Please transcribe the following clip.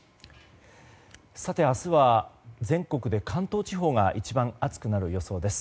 明日は、全国で関東地方が一番暑くなる予想です。